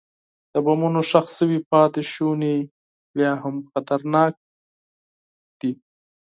د بمونو ښخ شوي پاتې شوني لا هم خطرناک دي.